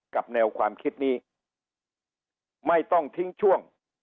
แนวความคิดนี้ไม่ต้องทิ้งช่วง